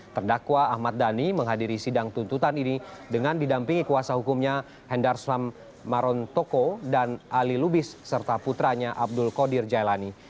terdakwa ahmad dhani menghadiri sidang tuntutan ini dengan didampingi kuasa hukumnya hendar slam maron toko dan ali lubis serta putranya abdul qadir jailani